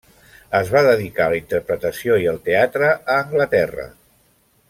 Es va dedicar a la interpretació i el teatre a Anglaterra.